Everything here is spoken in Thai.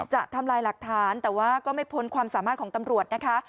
ทำลายหลักฐานแต่ว่าก็ไม่พ้นความสามารถของตำรวจนะคะ